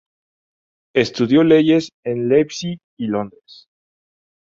Estudió leyes en Leipzig y Londres.